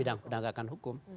di bidang penegakan hukum